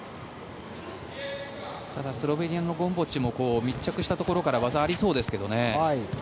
ただスロベニアのゴムボッチも密着したところから技ありそうですけどね。